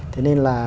thế nên là